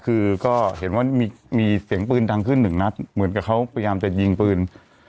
คือก็เห็นว่ามีเสียงปืนดังขึ้นหนึ่งนัดเหมือนกับเขาพยายามจะยิงปืน